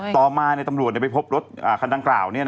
ต่อมาตำรวจไปพบรถคันดังกล่าว